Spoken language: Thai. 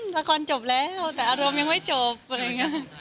แล้วไม่ใช่แค่ภาษาไทย